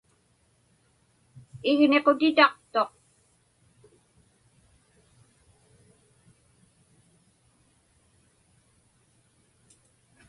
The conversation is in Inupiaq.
Igniqutitaqtuq.